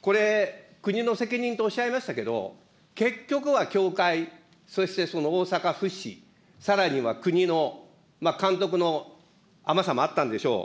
これ、国の責任とおっしゃいましたけれども、結局は協会、そしてその大阪府市、さらには国の、監督の甘さもあったんでしょう。